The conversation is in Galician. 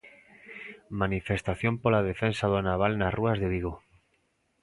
Manifestación pola defensa do naval nas rúas de Vigo.